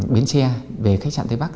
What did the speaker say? biến xe về khách sạn tây bắc